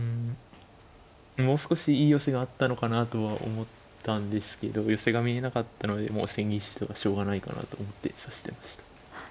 もう少しいい寄せがあったのかなとは思ったんですけど寄せが見えなかったのでもう千日手はしょうがないかなと思って指してました。